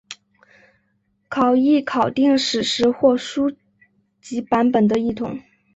考异考订史实或书籍版本的异同。